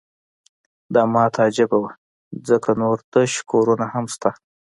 دا ماته عجیبه وه ځکه نور تش کورونه هم شته